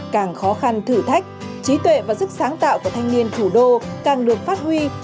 càng khó khăn thử thách trí tuệ và sức sáng tạo của thanh niên thủ đô càng được phát huy